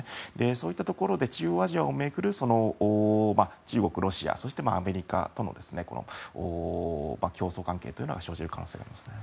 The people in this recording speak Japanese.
そういったところで中央アジアを巡る、中国、ロシアそしてアメリカとの競争関係というのは生じる可能性がありますね。